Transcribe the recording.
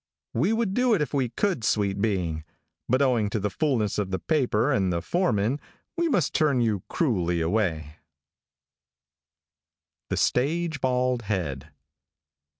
"We would do it if we could, sweet being; but owing to the fullness of the paper and the foreman, we must turn you cruelly away. "Yours truly, "James Letson." THE STAGE BALD HEAD.